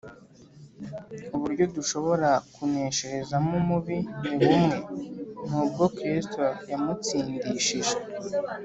uburyo dushobora kunesherezamo umubi ni bumwe n’ubwo kristo yamutsindishije